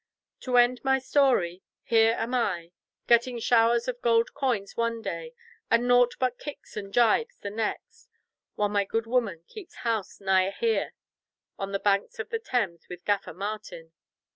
To end my story, here am I, getting showers of gold coins one day and nought but kicks and gibes the next, while my good woman keeps house nigh here on the banks of the Thames with Gaffer Martin.